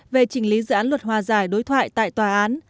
về chỉnh lý dự án luật hòa giải đối thoại tại tòa án